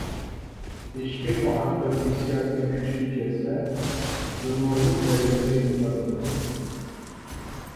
ئىشقى-مۇھەببەت ھېسسىياتى كۈچىيىپ كەتسە، جۇنۇنلۇق دەرىجىسىگە ئېلىپ بارىدۇ.